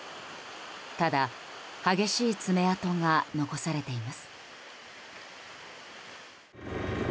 ただ、激しい爪痕が残されています。